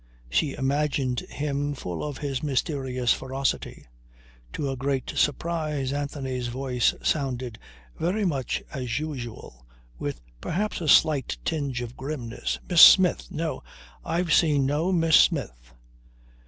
She imagined him full of his mysterious ferocity. To her great surprise, Anthony's voice sounded very much as usual, with perhaps a slight tinge of grimness. "Miss Smith! No. I've seen no Miss Smith."